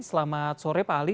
selamat sore pak ali